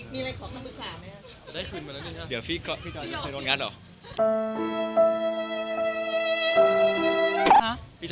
มีอะไรขอคำปรึกษาไหมครับ